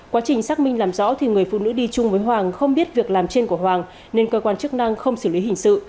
quá trình xác minh làm rõ thì người phụ nữ đi chung với hoàng không biết việc làm trên của hoàng nên cơ quan chức năng không xử lý hình sự